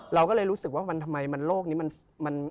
เราก็เลยรู้สึกว่ามันทำไมมันโลกนี้มัน